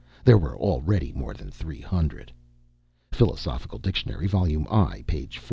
There were already more than three hundred. [Philosophical Dictionary, vol. i. p. 405.